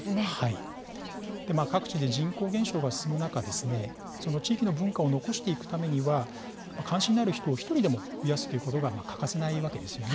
各地で人口減少が進む中地域の文化を残していくためには関心ある人を１人でも増やしていくことが欠かせないわけです。